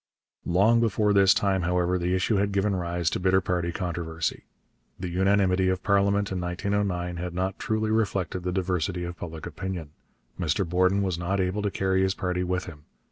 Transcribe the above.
Long before this time, however, the issue had given rise to bitter party controversy. The unanimity of parliament in 1909 had not truly reflected the diversity of public opinion. Mr Borden was not able to carry his party with him.